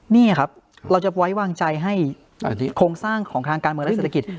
นี่ครับเราจะไว้วางใจให้โครงสร้างของทางการเมืองและเศรษฐกิจ